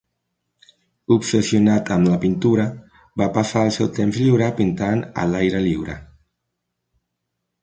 Obsessionat amb la pintura, va passar el seu temps lliure pintant "a l'aire lliure".